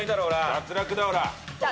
脱落だオラ。